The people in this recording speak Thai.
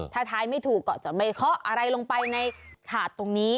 ถ้าท้ายไม่ถูกก็จะไม่เคาะอะไรลงไปในถาดตรงนี้